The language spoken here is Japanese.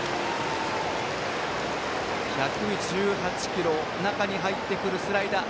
１１８キロ中に入ってくるスライダー。